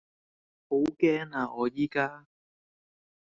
好驚呀我宜家